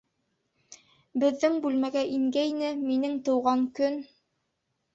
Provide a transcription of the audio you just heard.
Беҙҙең бүлмәгә ингәйне, минең тыуған көн...